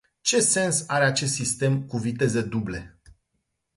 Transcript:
Ce sens are acest sistem cu viteze duble?